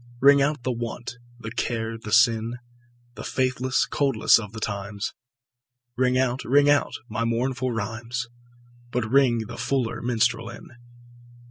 Ring out the want, the care the sin, The faithless coldness of the times; Ring out, ring out my mournful rhymes, But ring the fuller minstrel in.